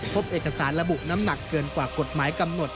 พบเอกสารระบุน้ำหนักเกินกว่ากฎหมายกำหนด